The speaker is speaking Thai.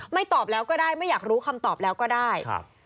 ตอบแล้วก็ได้ไม่อยากรู้คำตอบแล้วก็ได้ครับ